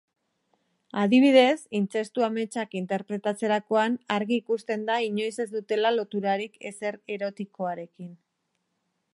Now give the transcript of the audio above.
Adibidez, intzestu-ametsak interpretatzerakoan argi ikusten da inoiz ez dutela loturarik ezer erotikoarekin.